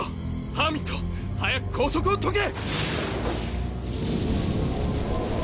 ハーミット早く拘束を解け！